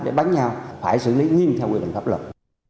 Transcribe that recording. để đánh nhau phải xử lý nghiêm theo quy định pháp luật